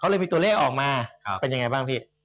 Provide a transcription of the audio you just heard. เลยมีตัวเลขออกมาเป็นยังไงบ้างพี่